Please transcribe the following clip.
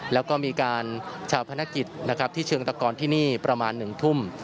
แล้วก็มีการชาวพนักกิจนะครับที่เชิงตะกรที่นี่ประมาณ๑ทุ่ม